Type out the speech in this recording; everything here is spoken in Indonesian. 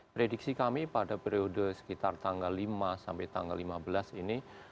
prediksi kami pada periode sekitar tanggal lima sampai tanggal lima belas ini